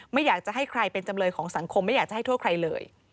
ไม่อยากจะให้ใครเป็นจำเลยของสังคมไม่อยากจะให้โทษใครเลย